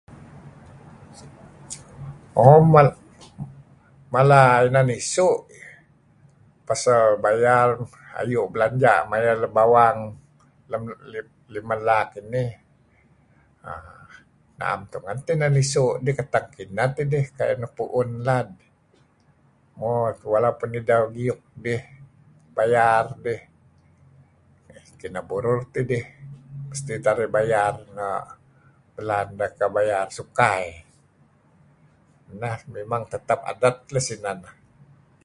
Oh mal mala inan isu' pasal beh bayar ayu' blanja' ayu' lem bawang lem limeh laak inih uhm naem tungen inan isu' dih kateng kineh tidih kayu' nuk puun lad. Mo walaupun ideh ngiyuk dih, bayar dih, kineh burur tidih mesti narih bayar uhm bayar nah kah belaan sukai. Neh mimang tetap adet neh sineh neh.